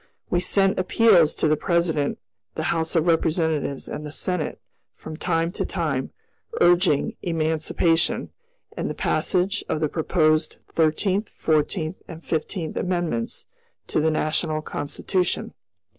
We sent appeals to the President the House of Representatives, and the Senate, from time to time, urging emancipation and the passage of the proposed Thirteenth, Fourteenth, and Fifteenth Amendments to the National Constitution.